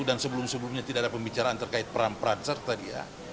dan sebelum sebelumnya tidak ada pembicaraan terkait peran peran serta dia